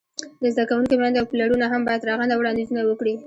د زده کوونکو میندې او پلرونه هم باید رغنده وړاندیزونه وکړي.